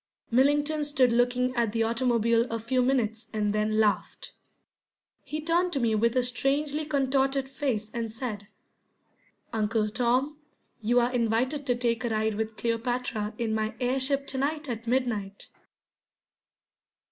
Millington stood looking at the automobile a few minutes and then laughed. He turned to me with a strangely contorted face and said: "Uncle Tom, you are invited to take a ride with Cleopatra in my air ship to night at midnight."